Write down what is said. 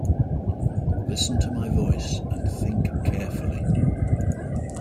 Listen to my voice and think carefully.